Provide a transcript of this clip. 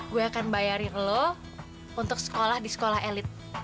gue akan bayarin lo untuk sekolah di sekolah elit